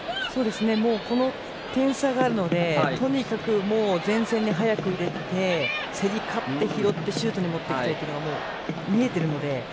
この点差があるのでとにかく前線に早く入れて、競り勝ってシュートに持っていきたいのが見えているので。